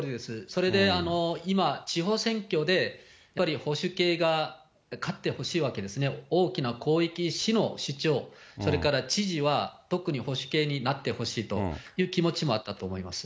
それで今、地方選挙でやっぱり保守系が勝ってほしいわけですね、大きな広域市の市長、それから知事は、特に保守系になってほしいという気持ちもあったと思います。